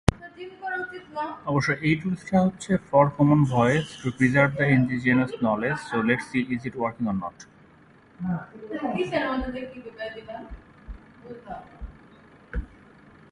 Males call from inside burrows and may engage in duets with their nearest neighbours.